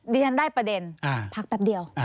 เรียนได้ประเด็นพักแป๊บเดียว